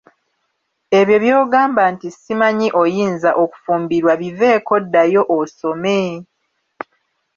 Ebyo by'ogamba nti simanyi oyinza okufumbirwa biveeko ddayo osome.